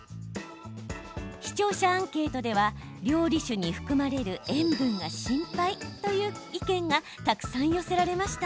視聴者アンケートでは料理酒に含まれる塩分が心配という意見がたくさん寄せられました。